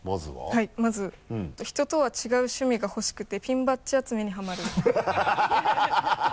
はいまず「人とは違う趣味がほしくてピンバッジ集めにハマる」ハハハ